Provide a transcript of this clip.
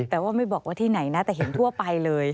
แต่ว่าไม่บอกว่าที่ไหนนะแต่เห็นทั่วไปเลย